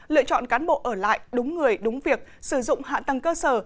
lựa chọn cán bộ ở lại đúng người đúng việc sử dụng hạ tăng cơ sở